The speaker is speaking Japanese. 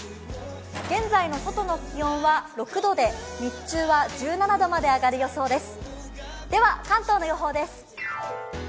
現在の外の気温は６度で、日中は１７度まで上がる予想です。